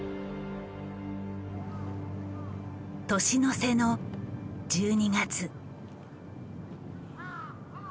年の瀬の１２月。